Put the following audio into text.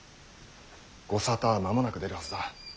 ご沙汰は間もなく出るはずだ。